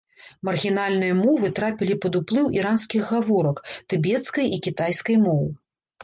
Маргінальныя мовы трапілі пад уплыў іранскіх гаворак, тыбецкай і кітайскай моў.